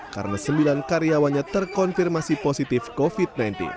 karena sembilan karyawannya terkonfirmasi positif covid sembilan belas